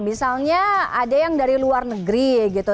misalnya ada yang dari luar negeri gitu